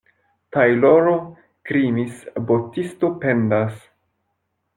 Tajloro krimis, botisto pendas.